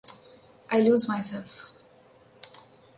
I Lose Myself.